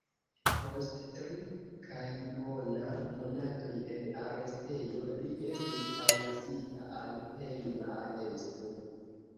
Post tri kaj duona monatoj en arestejo, li estis ellasita al hejma aresto.